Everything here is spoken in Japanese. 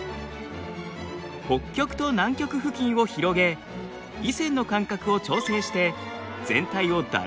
北極と南極付近を広げ緯線の間隔を調整して全体をだ